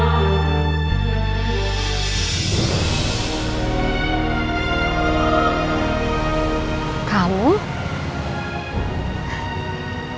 mending sekenang kenang idani perempuan pun